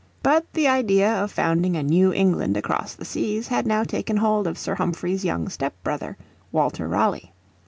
But the idea of founding a New England across the seas had now taken hold of Sir Humphrey's young step brother, Walter Raleigh.